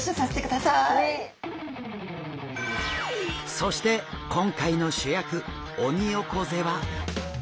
そして今回の主役オニオコゼは。